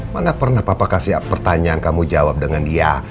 mana pernah papa kasih pertanyaan kamu jawab dengan dia